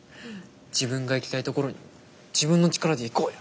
自分が行きたいところに自分の力で行こうや。